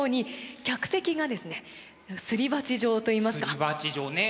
すり鉢状ね